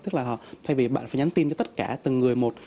tức là thay vì bạn phải nhắn tin cho tất cả từng người một